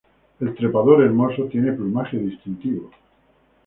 El trepador hermoso tiene plumaje distintivo.